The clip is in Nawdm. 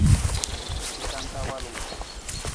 Jasa ta walung.